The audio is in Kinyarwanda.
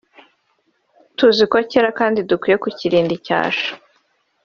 Tuzi ko cyera kandi dukwiye kukirinda icyasha